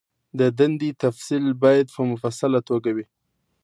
د دندې تفصیل باید په مفصله توګه وي.